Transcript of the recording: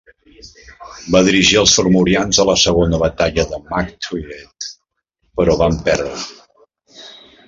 Va dirigir els formorians a la segona batalla de Magh Tuired, però van perdre.